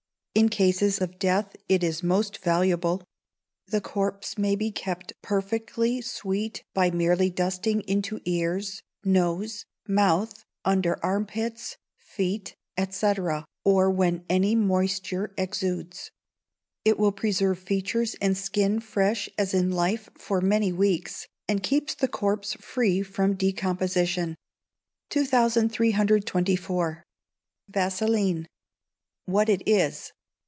In cases of death it is most valuable; the corpse may be kept perfectly sweet by merely dusting into ears, nose, mouth, under arm pits, feet, &c., or when any moisture exudes. It will preserve features and skin fresh as in life for many weeks, and keep the corpse free from decomposition. 2324. Vaseline. What it is.